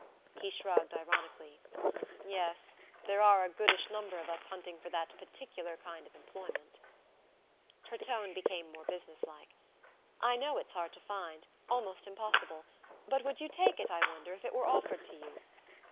He shrugged ironically. "Yes there are a goodish number of us hunting for that particular kind of employment." Her tone became more business like. "I know it's hard to find almost impossible. But would you take it, I wonder, if it were offered to you